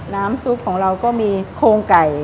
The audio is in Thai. น้ำซุปของเราก็มีโครงไก่